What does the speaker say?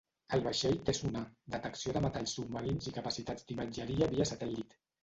El vaixell té sonar, detecció de metalls submarins i capacitats d'imatgeria via satèl·lit.